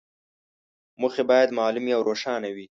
موخې باید معلومې او روښانه وي.